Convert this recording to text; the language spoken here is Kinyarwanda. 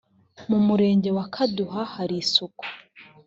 mu murenge wa kaduha hari isuku